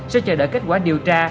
sẽ chờ đợi kết quả điều tra